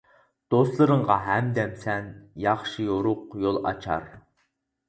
دوستلىرىڭغا ھەمدەم سەن، ياخشى، يورۇق يول ئاچار!